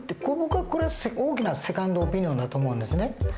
ここが大きなセカンドオピニオンだと思うんですね。